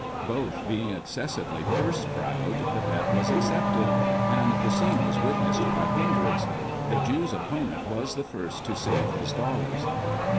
Both being ex cessively purse proud, the bet was accepted, and the scene was witnessed by hundreds. The Jew's opponent was the first to save his dollars.